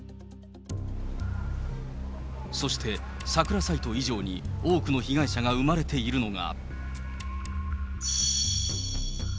そして、サクラサイト以上に多くの被害者が生まれているのが。